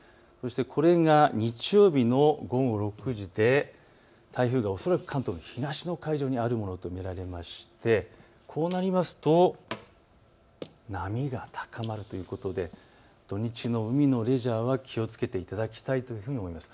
これが日曜日の午後６時で台風が恐らく関東の東の海上にあるものと見られましてこうなりますと波が高まるということで土日の海のレジャーは気をつけていただきたいと思います。